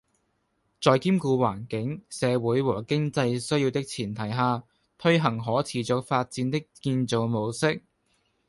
在兼顧環境、社會和經濟需要的前提下，推行可持續發展的建造模式